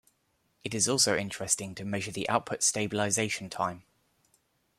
It is also interesting to measure the output stabilization time.